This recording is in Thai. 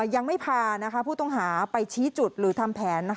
ยังไม่พาผู้ต้องหาไปชี้จุดหรือทำแผน